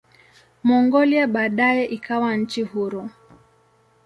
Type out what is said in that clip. Mongolia baadaye ikawa nchi huru.